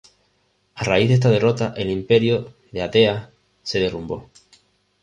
A raíz de esta derrota, el imperio de Ateas se derrumbó.